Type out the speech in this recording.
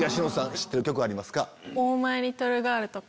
知ってる曲ありますか？